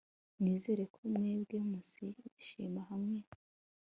Nizere ko mwembi muzishima hamwe